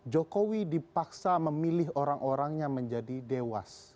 jokowi dipaksa memilih orang orangnya menjadi dewas